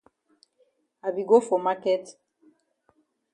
I be go for maket.